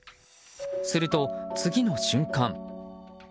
すると次の瞬間。